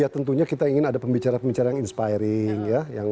ya tentunya kita ingin ada pembicaraan pembicaraan yang inspiring